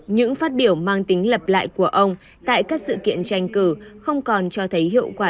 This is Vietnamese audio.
những phát biểu mang tính lập lại của ông tại các sự kiện tranh cử không còn cho thấy hiệu quả